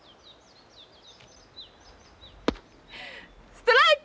ストライク！